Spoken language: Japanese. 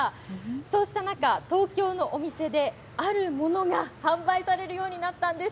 そうした中、東京のお店で、あるものが販売されるようになったんです。